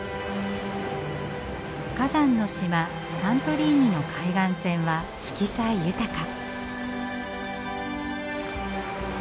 火山の島サントリーニの海岸線は色彩豊か。